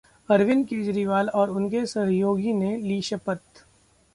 अरविंद केजरीवाल और उनके सहयोगियों ने ली शपथ